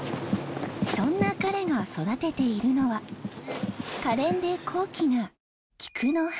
そんな彼が育てているのは可憐で高貴なキクの花。